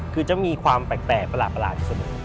คือจะมีความแปลกแปลกประหลาด